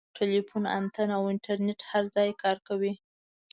ټیلیفون انتن او انټرنیټ هر ځای کار کوي.